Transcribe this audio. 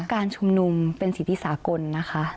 การชุมนุมเป็นสิทธิสากลนะคะ